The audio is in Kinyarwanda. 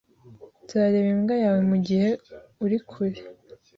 Nzareba imbwa yawe mugihe uri kure